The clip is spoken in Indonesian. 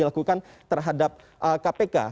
terus dilakukan terhadap kpk